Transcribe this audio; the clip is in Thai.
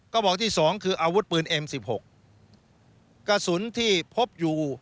กระบอกที่สองคืออาวุธปืนเอ็มสิบหกกระสุนที่พบอยู่